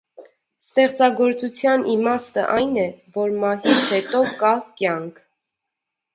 Ստեղծագործության իմաստը այն է, որ մահից հետո կա կյանք։